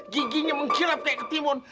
giginya mengkilap seperti ketimun